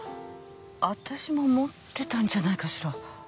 私も持ってたんじゃないかしら。